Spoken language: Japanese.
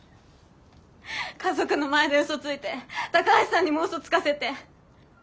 家族の前で嘘ついて高橋さんにも嘘つかせて。